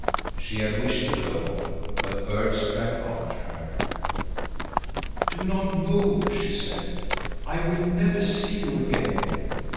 She had wished to go, but Berg sprang after her. "Do not move!" she said. "I will never see you again."